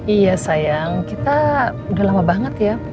iya sayang kita udah lama banget ya